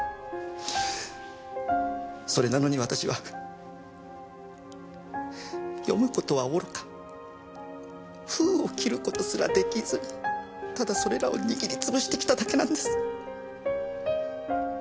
それなのに私は読む事はおろか封を切る事すらできずにただそれらを握り潰してきただけなんです。